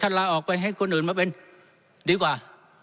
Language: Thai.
ลาออกไปให้คนอื่นมาเป็นดีกว่า